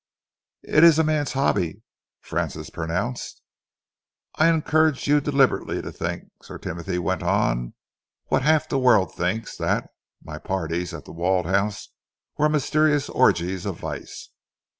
"It is a man's hobby," Francis pronounced. "I encouraged you deliberately to think," Sir Timothy went on, "what half the world thinks that my parties at The Walled House were mysterious orgies of vice.